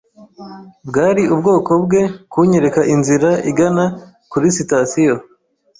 Byari ubwoko bwe kunyereka inzira igana kuri sitasiyo.